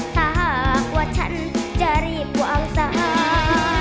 ถ้าหากว่าฉันจะรีบวางสา